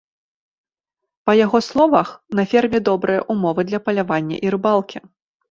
Па яго словах, на ферме добрыя ўмовы для палявання і рыбалкі.